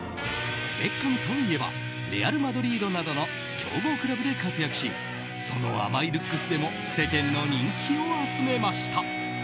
ベッカムといえばレアル・マドリードなどの強豪クラブで活躍しその甘いルックスでも世間の人気を集めました。